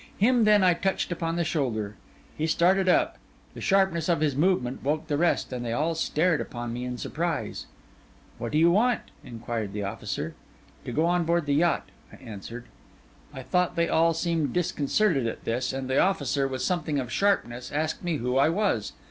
Him, then, I touched upon the shoulder. He started up; the sharpness of his movement woke the rest; and they all stared upon me in surprise. 'What do you want?' inquired the officer. 'To go on board the yacht,' I answered. I thought they all seemed disconcerted at this; and the officer, with something of sharpness, asked me who I was.